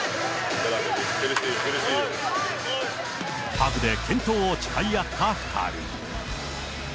ハグで健闘を誓い合った２人。